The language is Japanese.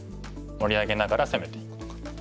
盛り上げながら攻めていくのか。